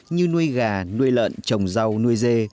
như nuôi gà nuôi lợn trồng rau nuôi dê